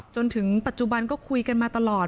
จนถึงปัจจุบันก็คุยกันมาตลอด